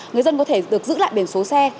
người dân có thể được giữ lại biển số xe